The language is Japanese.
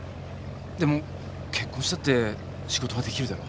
でも結婚したって仕事は出来るだろう？